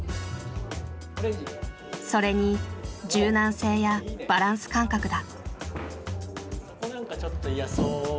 それに柔軟性やバランス感覚だ。